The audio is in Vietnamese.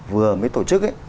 vừa mới tổ chức